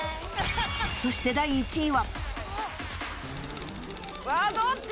そして第１位は。